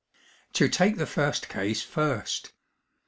To take the first case first.